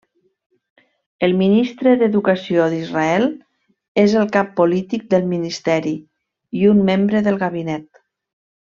El Ministre d'Educació d'Israel és el cap polític del ministeri, i un membre del gabinet.